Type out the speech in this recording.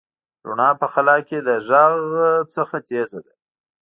رڼا په خلا کې د غږ نه تېزه ده.